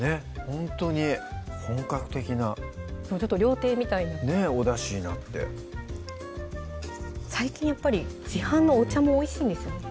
ほんとに本格的なちょっと料亭みたいなねっおだしになって最近やっぱり市販のお茶もおいしいんですよ